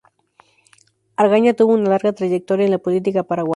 Argaña tuvo una larga trayectoria en la política paraguaya.